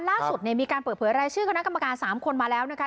ล่าสุดมีการเปิดเผยรายชื่อคณะกรรมการ๓คนมาแล้วนะคะ